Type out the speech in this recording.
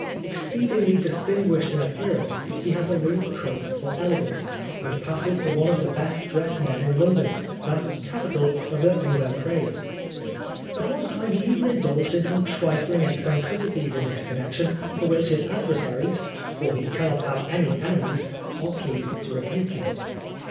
Exceedingly distinguished in appearance, he has a real cult for elegance, and passes for one of the best dressed men in London, that capital of the Rubempres. At one time he even indulged in some trifling eccentricities in this connection for which his adversaries for he cannot have any enemies are pleased to rebuke him.